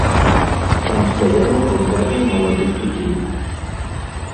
Там стаяла кампанія маладых людзей.